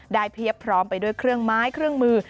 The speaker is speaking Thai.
เพียบพร้อมไปด้วยเครื่องไม้เครื่องมือ